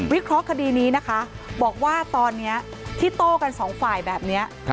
เคราะห์คดีนี้นะคะบอกว่าตอนนี้ที่โต้กันสองฝ่ายแบบนี้